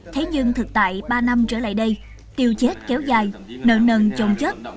thế nhưng thực tại ba năm trở lại đây tiêu chết kéo dài nợ nần trồng chất